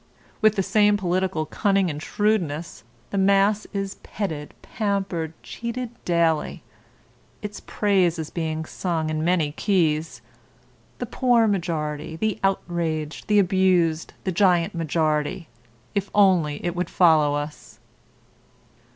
With the same political cunning and shrewdness the mass is petted, pampered, cheated daily. Its praise is being sung in many keys: the poor majority, the outraged, the abused, the giant majority, if only it would follow us.